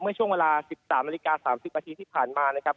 เมื่อช่วงเวลา๑๓นาฬิกา๓๐นาทีที่ผ่านมานะครับ